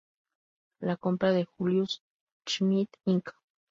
La compra de Julius Schmid Inc.